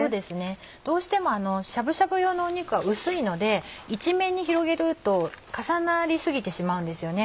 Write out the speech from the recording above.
どうしてもしゃぶしゃぶ用の肉は薄いので一面に広げると重なり過ぎてしまうんですよね。